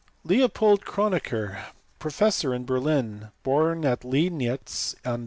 Leopold Kronecker, professor in Berlin, born at Liegnitz on Dec.